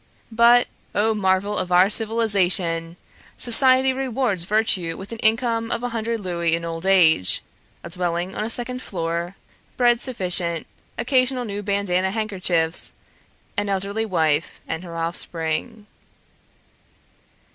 But, oh marvel of our civilization! Society rewards virtue with an income of a hundred louis in old age, a dwelling on a second floor, bread sufficient, occasional new bandana handkerchiefs, an elderly wife and her offspring.